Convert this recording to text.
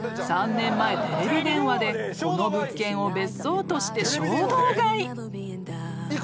３年前テレビ電話でこの物件を別荘として衝動買い］